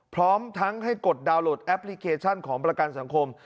พร้อมทั้งให้กดดาวน์โหลดแอปพลิเคชันของประกันสังคม